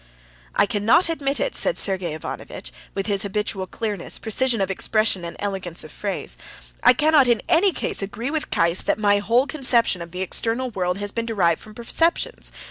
"I cannot admit it," said Sergey Ivanovitch, with his habitual clearness, precision of expression, and elegance of phrase. "I cannot in any case agree with Keiss that my whole conception of the external world has been derived from perceptions.